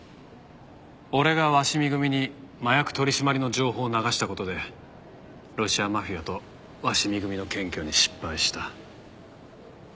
俺が鷲見組に麻薬取り締まりの情報を流した事でロシアマフィアと鷲見組の検挙に失敗した。